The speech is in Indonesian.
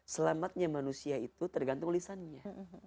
selamatnya manusia itu tergantung lisannya